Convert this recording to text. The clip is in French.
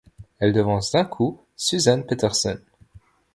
Elle devance d'un coup Suzann Pettersen.